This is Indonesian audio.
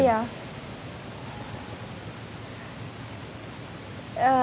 grup band pria